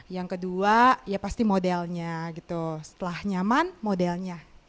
yang kedua ya pasti modelnya gitu setelah nyaman modelnya